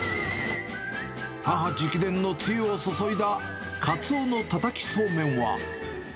母直伝のつゆを注いだかつおのたたきそうめんは。